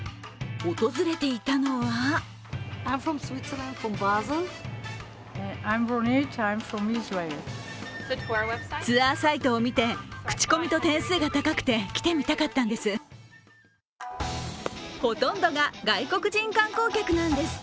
訪れていたのはほとんどが外国人観光客なんです。